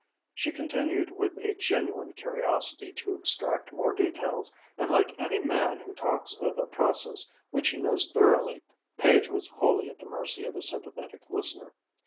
She continued with a genuine curiosity to extract more details; and like any man who talks of a process which he knows thoroughly, Page was wholly at the mercy of a sympathetic listener.